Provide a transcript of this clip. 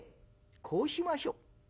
こうしましょう。